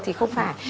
thì không phải